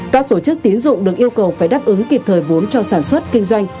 các tổ chức tín dụng được yêu cầu phải đáp ứng kịp thời vốn cho sản xuất kinh doanh